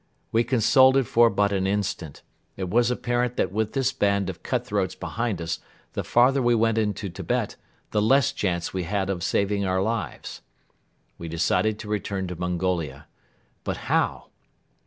We consulted for but an instant. It was apparent that with this band of cut throats behind us the farther we went into Tibet, the less chance we had of saving our lives. We decided to return to Mongolia. But how?